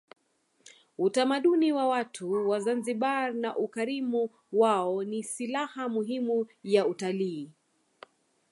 utamaduni wa watu wa zanzibar na ukarimu wao ni silaha muhimu ya utalii